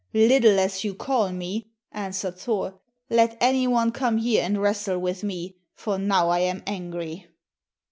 "Little as you call me," answered Thor, "let any one come here and wrestle with me, for now I am angry."